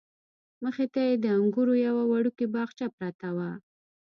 مخې ته یې د انګورو یوه وړوکې باغچه پرته وه.